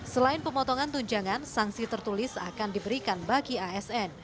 selain pemotongan tunjangan sanksi tertulis akan diberikan bagi asn